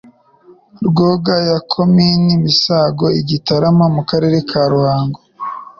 Rwoga ya Komini Masango I Gitarama (mu Karere ka Ruhango )